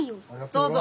どうぞ。